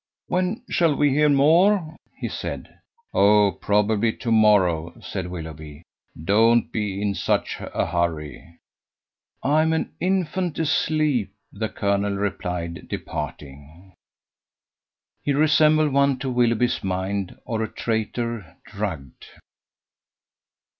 "When shall we hear more?" he said. "Oh, probably to morrow," said Willoughby. "Don't be in such a hurry." "I'm an infant asleep!" the colonel replied, departing. He resembled one, to Willoughby's mind: or a traitor drugged.